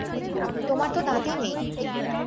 তোমার তো দাঁতই নেই।